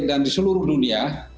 dan di seluruh dunia